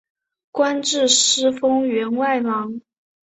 官至司封员外郎。